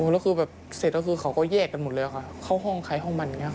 แล้วคือแบบเสร็จแล้วคือเขาก็แยกกันหมดเลยค่ะเข้าห้องใครห้องมันอย่างนี้